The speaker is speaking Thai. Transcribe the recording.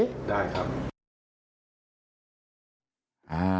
ได้ครับ